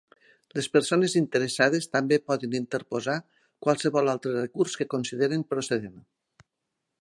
Les persones interessades també poden interposar qualsevol altre recurs que considerin procedent.